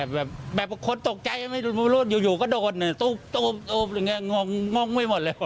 แบบคนตกใจไม่รู้อยู่ก็โดนตุบงงไม่หมดเลย